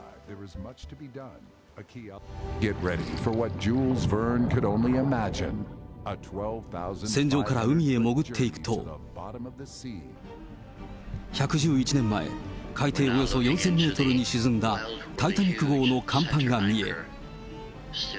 せんじょうから海へ潜っていくと、１１１年前、海底およそ４０００メートルに沈んだタイタニック号の甲板が見え。